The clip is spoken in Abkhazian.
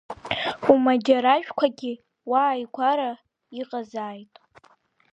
Умаџьаражәгьы уааигәара иҟазааит.